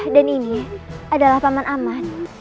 dan ini adalah paman aman